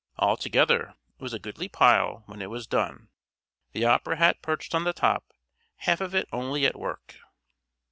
Altogether it was a goodly pile when it was done. The opera hat perched on the top, half of it only at work.